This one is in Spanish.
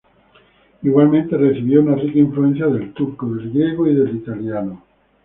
Igualmente, recibió una rica influencia del turco, del griego y del italiano.